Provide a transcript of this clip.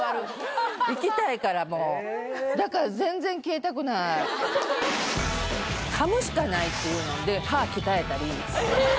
生きたいからもうだから全然消えたくない噛むしかないっていうので歯鍛えたりええ！